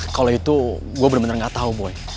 kalau itu gue bener bener gak tahu boy